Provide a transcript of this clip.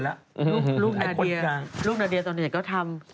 ลูกนาเดียตอนนี้ก็ทำ